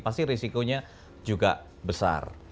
pasti risikonya juga besar